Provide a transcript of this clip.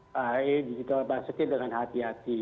baik di situ masukin dengan hati hati